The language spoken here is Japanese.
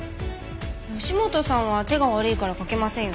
義本さんは手が悪いから書けませんよね？